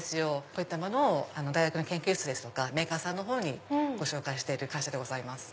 こういったものを大学の研究室とかメーカーさんにご紹介している会社でございます。